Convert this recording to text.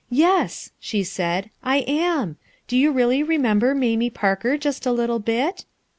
"Yes/ 1 she said, '"'I am. Do you really remember Mamie Parker just a little bit?"